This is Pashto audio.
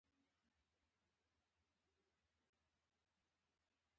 که دولت له لازمې اندازې زیاتې پیسې چاپ کړي